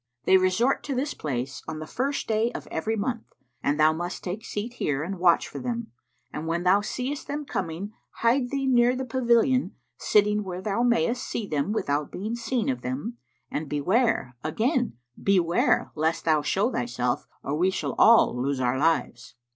They resort to this place on the first day of every month; and thou must take seat here and watch for them; and when thou seest them coming hide thee near the pavilion sitting where thou mayst see them, without being seen of them, and beware, again beware lest thou show thyself, or we shall all lose our lives.